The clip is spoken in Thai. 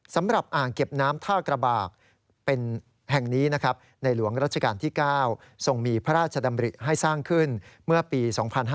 อ่างเก็บน้ำท่ากระบากเป็นแห่งนี้นะครับในหลวงรัชกาลที่๙ทรงมีพระราชดำริให้สร้างขึ้นเมื่อปี๒๕๕๙